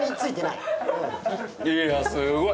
いやいや、すごい。